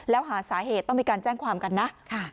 แล้วหาสาเหตุต้องมีการแจ้งความกันนะ